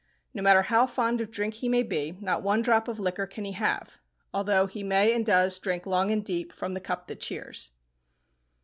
No matter how fond of drink he may be, not one drop of liquor can he have, although he may and does drink long and deep from the "cup that cheers."